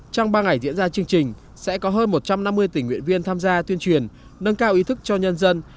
trong ba ngày diễn ra chương trình sẽ có hơn một trăm năm mươi tỉnh nguyện viên tham gia tuyên truyền nâng cao ý thức cho nhân dân